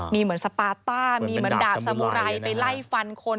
มีเหมือนสปาต้ามีเหมือนดาบสมุไรไปไล่ฟันคน